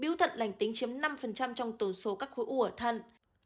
biếu thận lành tính chiếm năm trong tổn số các khối u ở thận